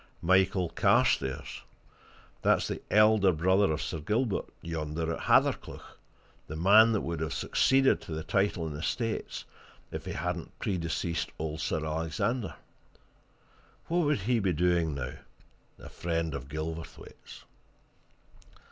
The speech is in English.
Michael Carstairs that's the elder brother of Sir Gilbert yonder at Hathercleugh, the man that would have succeeded to the title and estates if he hadn't predeceased old Sir Alexander. What would he be doing now, a friend of Gilverthwaite's?"